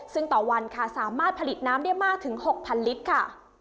ซึ่งต่อวันค่ะสามารถผลิตน้ำได้มากถึง๖๐๐ลิตรค่ะ